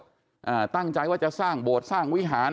อ่าตั้งใจว่าจะสร้างโบสถ์สร้างวิหาร